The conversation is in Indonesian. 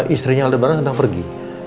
istrinya aldebaran sedang pergi